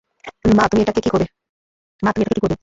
মা, তুমি এটাকে কী করবে?